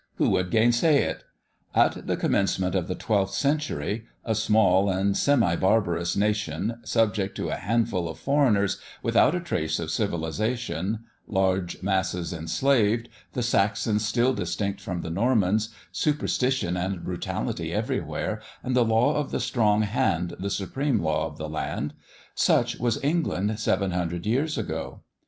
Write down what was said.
Who would gainsay it? At the commencement of the twelfth century, a small and semi barbarous nation, subject to a handful of foreigners, without a trace of civilisation large masses enslaved the Saxons still distinct from the Normans superstition and brutality everywhere, and the law of the strong hand the supreme law of the land such was England seven hundred years ago.